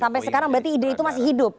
sampai sekarang berarti ide itu masih hidup